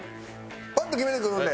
パッと決めてくるんで。